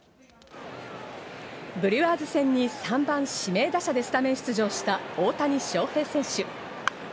ブリュワーズ戦に３番指名打者でスタメン出場した大谷翔平選手。